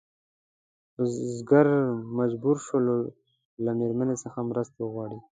بزګر مجبور شو له مېرمنې څخه مرسته وغواړي.